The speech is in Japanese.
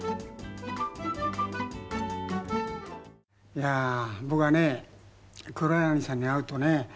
いやー僕はね黒柳さんに会うとね